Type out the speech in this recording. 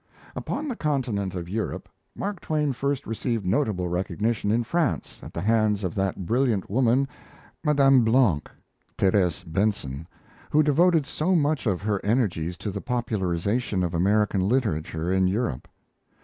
Upon the continent of Europe, Mark Twain first received notable recognition in France at the hands of that brilliant woman, Mme. Blanc (Th. Bentzon), who devoted so much of her energies to the popularization of American literature in Europe.